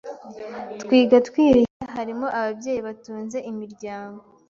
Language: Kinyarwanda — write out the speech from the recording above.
Twiga twirihira, harimo ababyeyi batunze imiryango,